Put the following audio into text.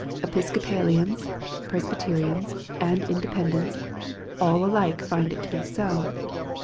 Episcopalians, Presbyterians, and Independents, all alike find it to be so.